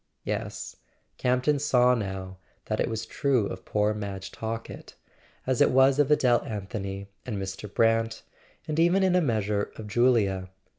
Yes; Campton saw now that it was true of poor Madge Talkett, as it was of Adele Anthony and Mr. Brant, and even in a measure of Julia.